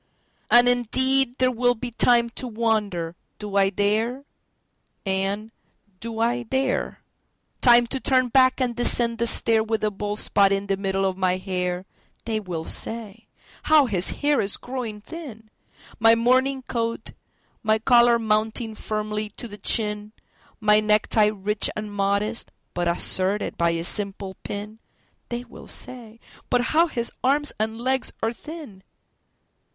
And indeed there will be timeTo wonder, "Do I dare?" and, "Do I dare?"Time to turn back and descend the stair, With a bald spot in the middle of my hair—(They will say: "How his hair is growing thin!")My morning coat, my collar mounting firmly to the chin, My necktie rich and modest, but asserted by a simple pin—(They will say: "But how his arms and legs are thin!")